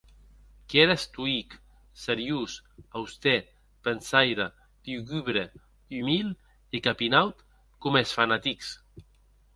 Qu’ère estoïc, seriós austèr, pensaire, lugubre, umil e capinaut coma es fanatics.